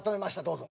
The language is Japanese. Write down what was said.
どうぞ。